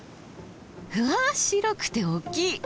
うわ白くて大きい！